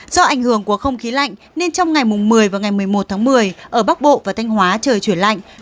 do ảnh hưởng của không khí lạnh nên trong ngày một mươi và ngày một mươi một tháng một mươi ở bắc bộ và thanh hóa trời chuyển lạnh